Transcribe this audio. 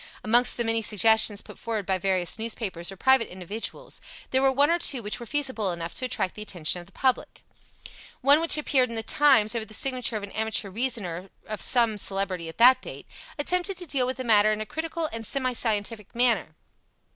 Amongst the many suggestions put forward by various newspapers or private individuals, there were one or two which were feasible enough to attract the attention of the public. One which appeared in The Times, over the signature of an amateur reasoner of some celebrity at that date, attempted to deal with the matter in a critical and semi scientific manner.